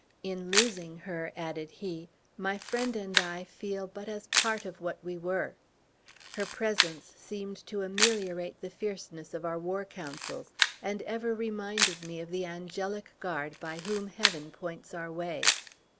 "In losing her," added he, "my friend and I feel but as part of what we were. Her presence seemed to ameliorate the fierceness of our war councils, and ever reminded me of the angelic guard by whom Heaven points our way."